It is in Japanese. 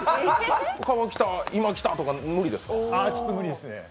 川北、今来たとか無理ですか？